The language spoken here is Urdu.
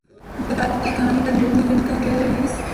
وفادار کتے کی کہانی پر مبنی فلم کا ٹریلر ریلیز